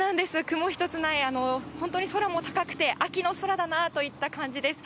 雲一つない、本当に空も高くて、秋の空だなといった感じです。